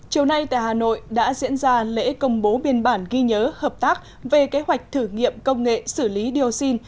chiều nay tại hà nội đã diễn ra lễ công bố biên bản ghi nhớ hợp tác về kế hoạch thử nghiệm công nghệ xử lý dioxin